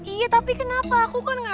iya tapi kenapa aku kan gak ada temen di rumah